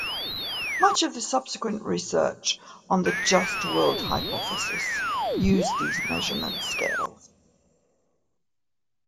Much of the subsequent research on the just-world hypothesis used these measurement scales.